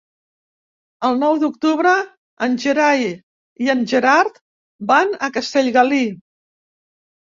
El nou d'octubre en Gerai i en Gerard van a Castellgalí.